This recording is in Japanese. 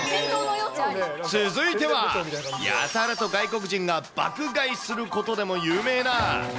続いては、やたらと外国人が爆買いすることでも有名な。